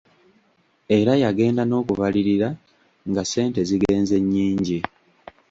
Era yagenda n'okubalirira nga ssente zigenze nnyingi.